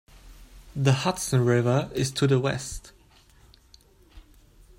The Hudson River is to the west.